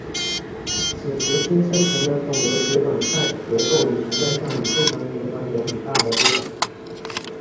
此时新生成的肿瘤血管在结构与形态上与正常的血管有很大的不同。